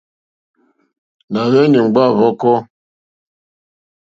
Nà hweni ŋgba hvɔ̀kɔ.